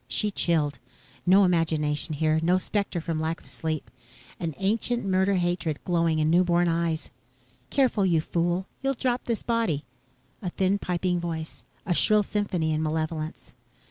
She chilled. No imagination here. No spectre from lack of sleep. Ancient murder hatred glowing in new born eyes. "Careful, you fool! You'll drop this body." A thin piping voice. A shrill symphony in malevolence.